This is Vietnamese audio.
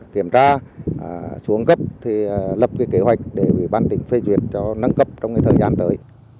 kiểm tra xuống cấp lập kế hoạch để bán tỉnh phê duyệt cho nâng cấp trong thời gian tới